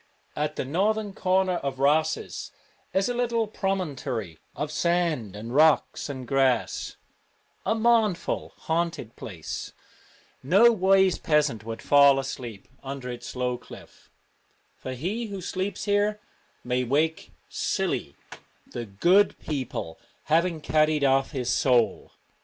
148 At the northern corner of Rosses is a Drumchff and Rosses, little promontory of sand and rocks and grass : a mournful, haunted place. No wise peasant would fall asleep under its low cliff, for he who sleeps here may wake 'silly,' the 'good people' having carried off his soul.